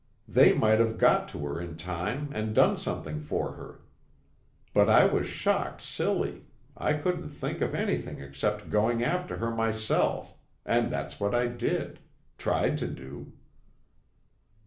They might have got to her in time and done something for her. But I was shocked silly, I couldn't think of anything except going after her myself, and that's what I did tried to do."